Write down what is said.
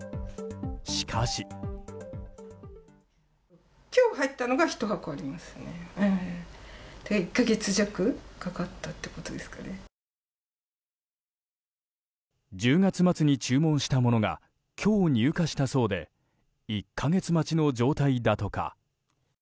しかし。１０月末に注文したものが今日入荷したそうで１か月待ちの状態だとか。